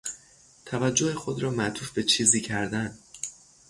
توجه خود را معطوف به چیزی کردن